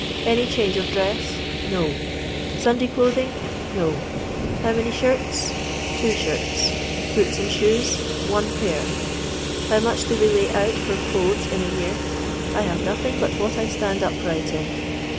Any change of dress ^— No. Sunday clothing 1 — No. How many shirts 1 — Two shirts.r Boots and shoes )— One pair. How much do they lay out for dothet in a year ]— I have nothing but what I stand upright in.